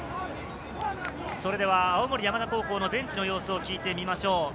それでは青森山田高校のベンチの様子を聞いてみましょう。